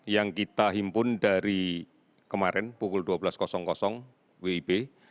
yang kita himpun dari kemarin pukul dua belas wib